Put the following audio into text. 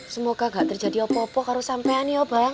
semoga nggak terjadi opo opo kalau sampean ya bang